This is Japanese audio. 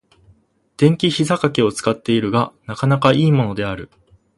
電気ひざかけを使っているが、なかなか良いものである。